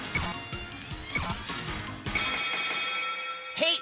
へい！